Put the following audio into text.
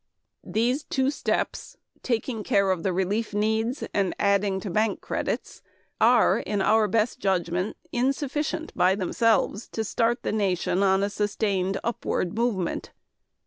These two steps taking care of relief needs and adding to bank credits are in our best judgment insufficient by themselves to start the nation on a sustained upward movement.